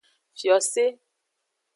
Fiose.